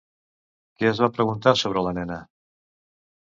Què es va preguntar sobre la nena?